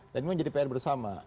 dan ini menjadi pr bersama